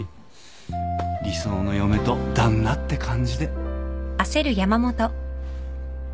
理想の嫁と旦那って感じで。